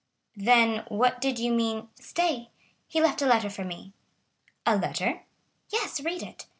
"Then what did you mean——" "Stay—he left a letter for me." "A letter?" "Yes; read it."